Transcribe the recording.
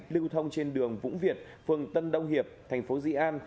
lưu thông trên đường vũng việt phường tân đông hiệp thành phố dĩ an